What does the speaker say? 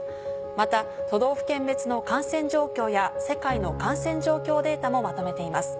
また都道府県別の感染状況や世界の感染状況データもまとめています。